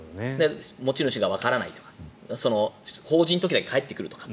持ち主がわからないとか法事の時だけ帰ってくるとか。